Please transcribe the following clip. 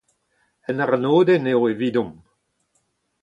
Un arnodenn eo evidomp.